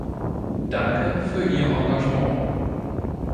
Danke für Ihr Engagement.